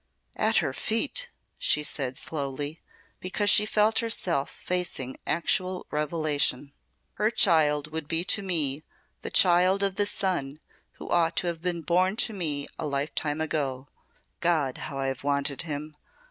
"At her feet!" she said slowly, because she felt herself facing actual revelation. "Her child would be to me the child of the son who ought to have been born to me a life time ago. God, how I have wanted him!